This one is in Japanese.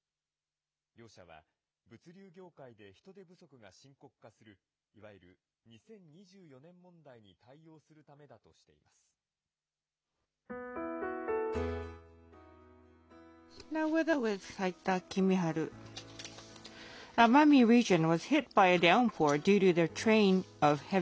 両社は、物流業界で人手不足が深刻化する、いわゆる２０２４年問題に対応す気象情報、斉田さんです。